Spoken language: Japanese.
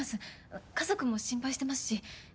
あっ家族も心配してますし。